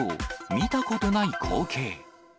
見たことない光景。